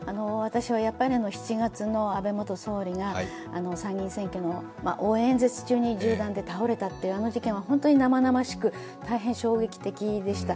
私は７月の安倍元総理が参議院選挙の応援演説中に銃弾で倒れたというあの事件は生々しく大変衝撃的でした。